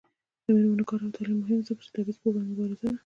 د میرمنو کار او تعلیم مهم دی ځکه چې تبعیض پر وړاندې مبارزه ده.